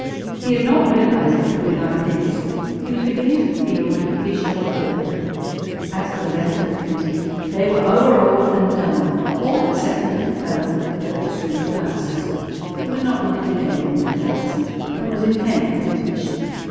He had not realized it would be like this. He was beginning to feel like a fish out of water. As for the rest of the committee, they were overawed and dumb, all except the little fellow with the tortoise rimmed glasses. He was not looking at anything but Allison, and was intent on his mission.